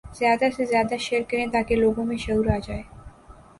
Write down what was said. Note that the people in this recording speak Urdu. زیادہ سے زیادہ شیئر کریں تاکہ لوگوں میں شعور آجائے